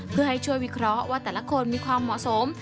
เพื่อให้ช่วยวิเคราะห์ว่าแต่ละคนมีความเหมาะสม